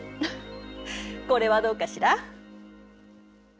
これはどうかしら？